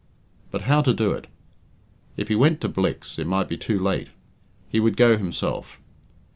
But how to do it? If he went to Blicks, it might be too late; he would go himself.